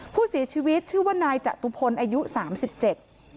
ผู้เสียชีวิตชื่อว่านายจตุพลอายุสามสิบเจ็ด